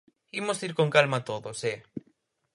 Imos ir con calma todos, ¡eh!